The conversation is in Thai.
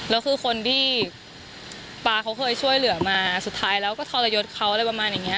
แล้วคือคนที่ปลาเค้าเคยช่วยเหลือมาสุดท้ายแล้วก็ทดยศเขา